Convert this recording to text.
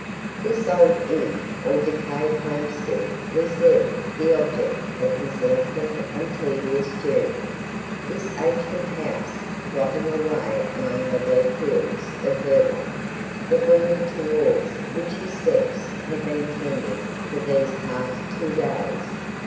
This old inn or decayed homestead was then the object of his lengthened and tedious journey; this ancient house rotting away among the bleak hills of Vermont, the bourne towards which his steps had been tending for these past two days.